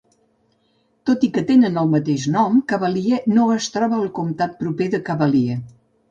Tot i que tenen el mateix nom, Cavalier no es troba al comptat proper de Cavalier.